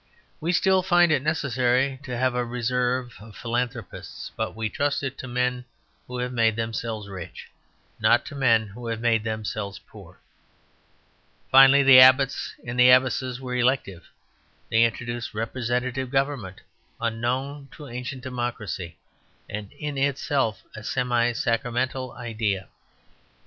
We still find it necessary to have a reserve of philanthropists, but we trust it to men who have made themselves rich, not to men who have made themselves poor. Finally, the abbots and abbesses were elective. They introduced representative government, unknown to ancient democracy, and in itself a semi sacramental idea.